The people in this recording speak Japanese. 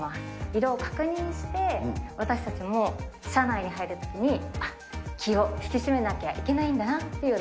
色を確認して、私たちも社内に入るときに、あっ、気を引き締めなきゃいけないんだなって。